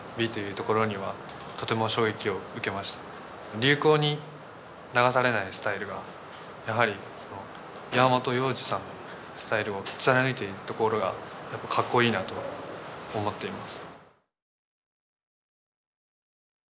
流行に流されないスタイルがやはり山本耀司さんのスタイルを貫いているところがかっこいいなと思っています。